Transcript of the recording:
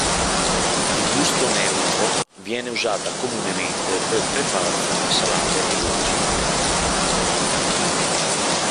Di gusto neutro viene usata comunemente per preparazioni salate e dolci.